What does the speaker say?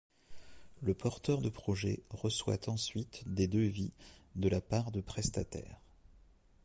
Le porteur de projets reçoit ensuite des devis de la part de prestataires.